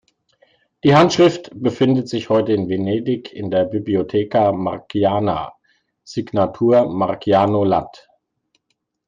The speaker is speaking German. Die Handschrift befindet sich heute in Venedig in der Biblioteca Marciana, Signatur Marciano Lat.